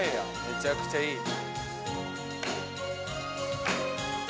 めちゃくちゃいい。